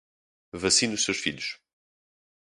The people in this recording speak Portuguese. Vacine seus filhos